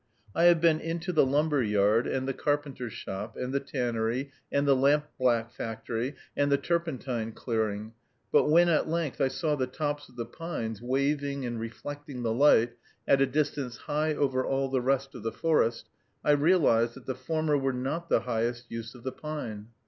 I have been into the lumber yard, and the carpenter's shop, and the tannery, and the lampblack factory, and the turpentine clearing; but when at length I saw the tops of the pines waving and reflecting the light at a distance high over all the rest of the forest, I realized that the former were not the highest use of the pine.